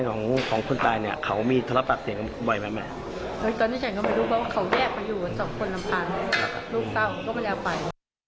ตอนนี้ฉันก็ไม่รู้เพราะว่าเขาแยกมาอยู่กับสองคนน้ำค้างลูกสาวก็ไม่ได้เอาไป